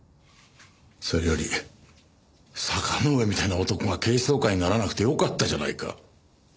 それより坂之上みたいな男が警視総監にならなくてよかったじゃないか。